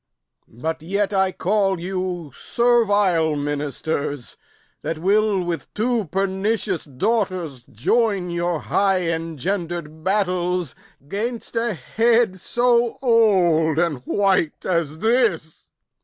But yet I call you servile ministers, That will with two pernicious daughters join Your high engender'd battles 'gainst a head So old and white as this!